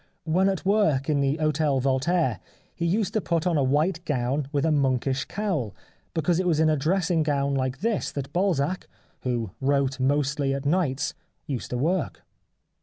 When at work at the Hotel Voltaire he used to put on a white gown with a monkish cowl, because it was in a dressing gown like this that Balzac, who wrote mostly at nights, used to work.